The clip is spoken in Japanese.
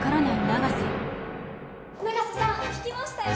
永瀬さん聞きましたよ。